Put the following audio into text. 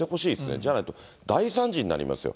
じゃないと、大惨事になりますよ。